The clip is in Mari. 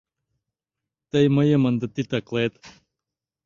Тый мыйым ынде титаклет.